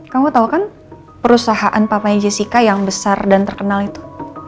kamu tau kan perusahaan papanya jessica yang besar dan terkenal itu